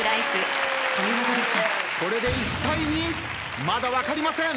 これで１対２まだ分かりません。